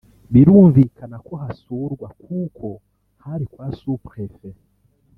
birumvikana ko hasurwa kuko hari kwa Sous-Préfet